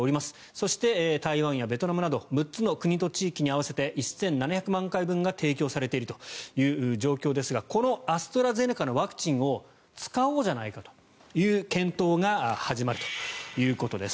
そして、台湾やベトナムなど６つの国と地域に合わせて１７００万回分が提供されているという状況ですがこのアストラゼネカのワクチンを使おうじゃないかという検討が始まるということです。